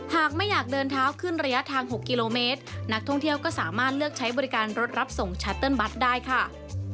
หากไม่อยากเดินเท้าขึ้นระยะทาง๖กิโลเมตรนักท่องเที่ยวก็สามารถเลือกใช้บริการรถรับส่งชัตเติ้ลบัตรได้ค่ะ